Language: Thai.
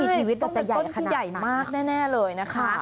ช่ายต้นที่ใหญ่มากแน่เลยนะคะ